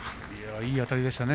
いいあたりでしたね。